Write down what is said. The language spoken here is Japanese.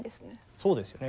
そうですね。